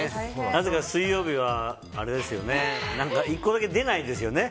なぜか水曜日は１個だけ、出ないですよね。